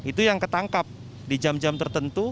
itu yang ketangkap di jam jam tertentu